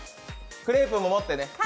クレープも持ってね。